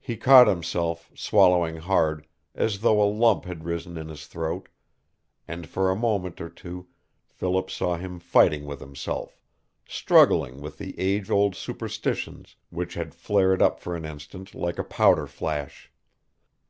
He caught himself, swallowing hard, as though a lump had risen in his throat, and for a moment or two Philip saw him fighting with himself, struggling with the age old superstitions which had flared up for an instant like a powder flash.